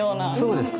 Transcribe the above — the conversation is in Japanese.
そうです。